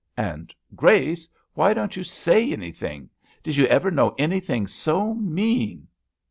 and, "Grace, why don't you say anything? did you ever know anything so mean?"